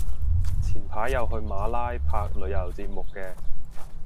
前排有去馬拉拍旅遊節目嘅